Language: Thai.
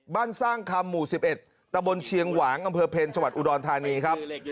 สร้างคำหมู่๑๑ตะบนเชียงหวางอำเภอเพลจังหวัดอุดรธานีครับ